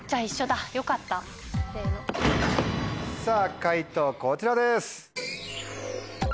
解答こちらです。